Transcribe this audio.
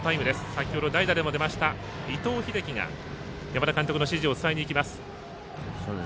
先ほど、代打でも出ました伊藤秀樹が、山田監督の指示を伝えにいきます。